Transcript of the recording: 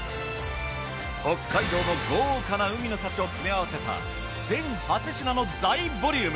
北海道の豪華な海の幸を詰め合わせた全８品の大ボリューム。